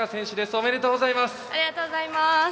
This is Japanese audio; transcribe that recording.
ありがとうございます。